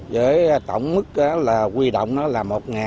với tổng mức quy động là một tám trăm bốn mươi